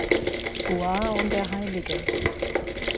Goar und der hl.